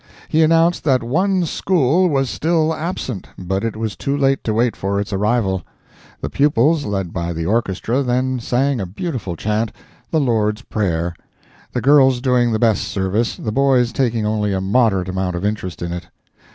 He announced that one School was still absent, but it was too late to wait for its arrival. The pupils, led by the orchestra, then sang a beautiful chant—"The Lord's Prayer"—the girls doing the best service, the boys taking only a moderate amount of interest in it.